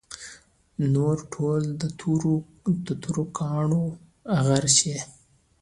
نور ټول د تورو کاڼو غر شي.